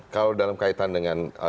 kalau dalam kaitan dengan